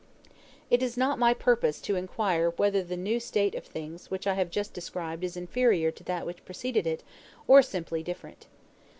It is not my purpose to inquire whether the new state of things which I have just described is inferior to that which preceded it, or simply different.